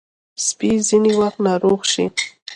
سپي ځینې وخت ناروغ شي.